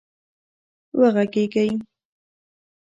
وږغېږئ